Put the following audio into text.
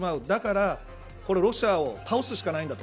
だから、ロシアを倒すしかない。